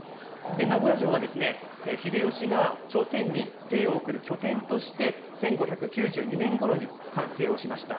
名護屋城はですね、秀吉が朝鮮に兵を送る拠点として１５９２年ごろに完成をしました。